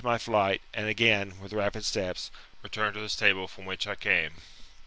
53 my flight, and again, with rapid steps, returned to the stable from whence I came.